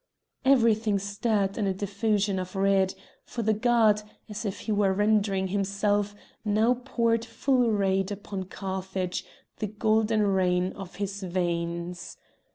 Everything stirred in a diffusion of red, for the god, as if he were rending himself, now poured full rayed upon Carthage the golden rain of his veins.